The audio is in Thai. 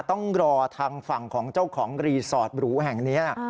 ต้องรอทางฝั่งของเจ้าของรีสอร์ทหรูแห่งนี้